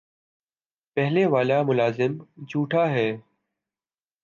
پہلے والا ملازم جھوٹا ہے